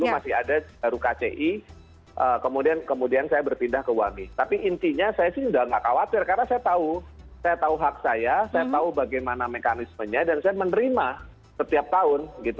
masih ada baru kci kemudian saya berpindah ke wangi tapi intinya saya sih sudah tidak khawatir karena saya tahu saya tahu hak saya saya tahu bagaimana mekanismenya dan saya menerima setiap tahun gitu